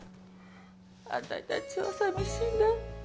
あたいたちは寂しいんだ。